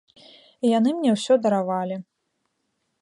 І яны мне ўсё даравалі.